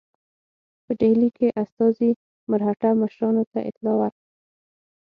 په ډهلي کې استازي مرهټه مشرانو ته اطلاع ورکړه.